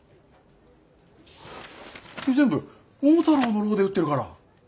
君全部桃太郎の「郎」で打ってるから。